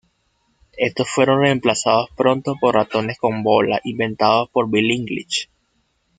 Estos fueron remplazados pronto por ratones con bola, inventados por Bill English.